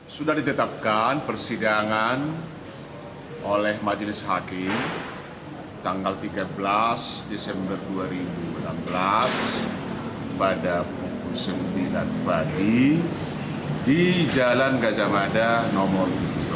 sudah ditetapkan persidangan oleh majelis hakim tanggal tiga belas desember dua ribu enam belas pada pukul sembilan pagi di jalan gajah mada nomor tujuh belas